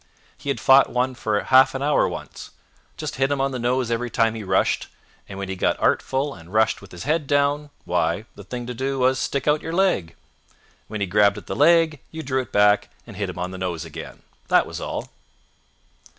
He had fought one for half an hour once. Just hit him on the nose every time he rushed, and when he got artful and rushed with his head down, why, the thing to do was to stick out your leg. When he grabbed at the leg you drew it back and hit hint on the nose again. That was all.